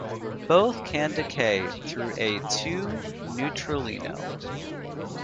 Both can decay through a to neutralino.